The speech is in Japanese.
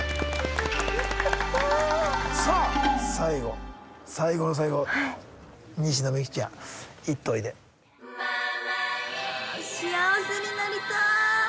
さあ最後最後の最後西野未姫ちゃん行っといであ幸せになりたい！